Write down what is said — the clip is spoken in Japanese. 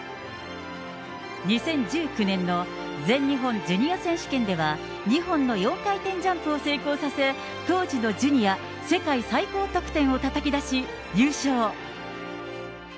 ２０１９年の全日本ジュニア選手権では、２本の４回転ジャンプを成功させ、当時のジュニア世界最高得点をたたき出し、優勝。